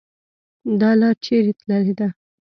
.دا لار چیري تللې ده؟